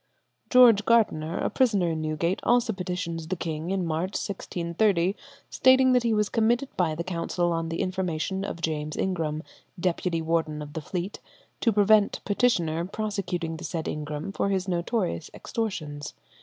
George Gardener, a prisoner in Newgate, also petitions the king in March, 1630, stating that he was committed by the council on the information of James Ingram, deputy warden of the Fleet, to prevent petitioner prosecuting the said Ingram for his notorious extortions.